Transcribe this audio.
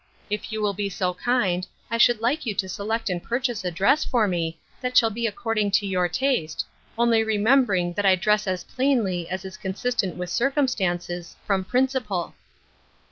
If you will be so kind, I should like you to select and purchase a dress for me that shall be accord ing to your taste, only remembering that I dress as plainly as is consistent with circumstances, from principle."